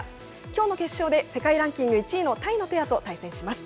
きょうの決勝で世界ランキング１位のタイのペアと対戦します。